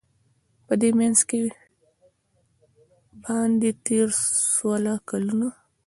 په دې منځ کي باندی تېر سوله کلونه